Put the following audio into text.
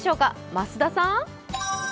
増田さん！